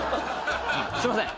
すいません